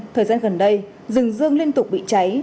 thời gian gần đây rừng dương liên tục bị cháy